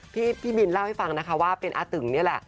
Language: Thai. พี่บินเล่าให้ฟังนะคะว่าเป็นอาตึงนี่แหละ